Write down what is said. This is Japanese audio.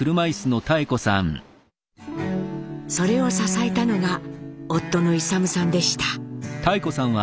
それを支えたのが夫の勇さんでした。